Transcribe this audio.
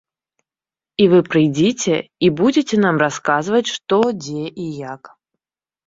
І вы прыйдзіце, і будзеце нам расказваць, што, дзе і як.